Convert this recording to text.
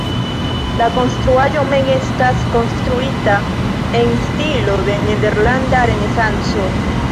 La konstruaĵo mem estas konstruita en stilo de nederlanda renesanco.